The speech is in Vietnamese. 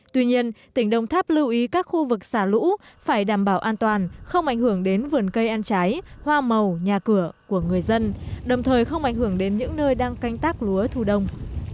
tuy nhiên tỉnh đồng tháp lưu ý các khu vực xả lũ phải đảm bảo an toàn không ảnh hưởng đến vườn cây ăn trái hoa màu nhà cửa của người dân đồng thời không ảnh hưởng đến những nơi đang canh tác lúa thu đông